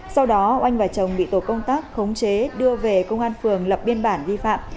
sau đó oanh và chồng bị tổ công tác khống chế đưa về công an phường lập biên bản vi phạm